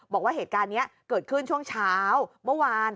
บอกว่าเหตุการณ์นี้เกิดขึ้นช่วงเช้าเมื่อวาน